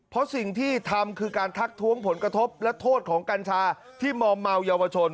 เพราะสิ่งที่ทำคือการทักท้วงผลกระทบและโทษของกัญชาที่มอมเมาเยาวชน